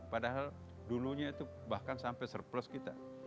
padahal dulunya itu bahkan sampai surplus kita